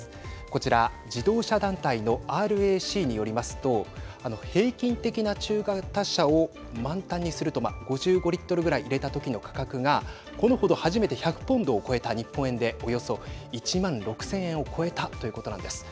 こちら、自動車団体のＲＡＣによりますと平均的な中型車を満タンにすると５５リットルくらい入れたときの価格がこのほど初めて１００ポンドを超え日本円でおよそ１万６０００円を超えたということなんです。